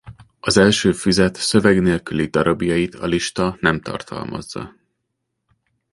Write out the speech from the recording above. Az első füzet szöveg nélküli darabjait a lista nem tartalmazza.